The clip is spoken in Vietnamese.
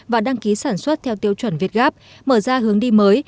và đăng ký sản xuất theo tiêu chuẩn việt gáp mở ra hướng đi mới